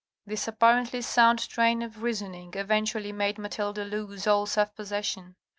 This apparently sound train of reasoning eventually made Mathilde loose all self possession.